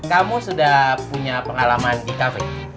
kamu sudah punya pengalaman di kafe